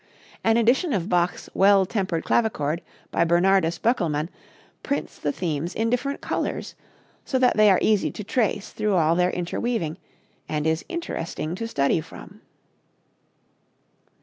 An edition of Bach's "Well Tempered Clavichord" by Bernardus Boekelman prints the themes in different colors, so that they are easy to trace through all their interweaving, and is interesting to study from.